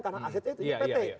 karena asetnya itu di pt